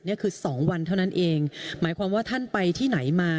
สองวันเท่านั้นเองหมายความว่าท่านไปที่ไหนมา